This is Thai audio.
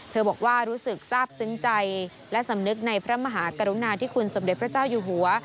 บอกว่ารู้สึกทราบซึ้งใจและสำนึกในพระมหากรุณาที่คุณสมเด็จพระเจ้าอยู่หัว